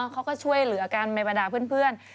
เขาก็ช่วยเหลือกันในบรรดาเพื่อน